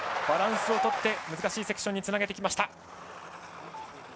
バランスを取って難しいセクションにつなげてきました。